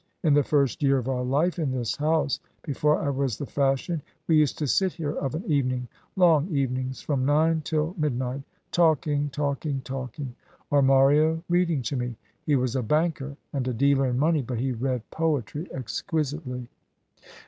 In the first year of our life in this house, before I was the fashion, we used to sit here of an evening, long evenings, from nine till midnight, talking, talking, talking, or Mario reading to me. He was a banker, and a dealer in money; but he read poetry exquisitely."